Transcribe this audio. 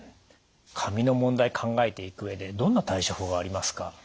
髪の問題考えていく上でどんな対処法がありますか？